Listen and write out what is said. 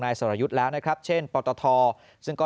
สรยุทธ์แล้วนะครับเช่นปตทซึ่งก็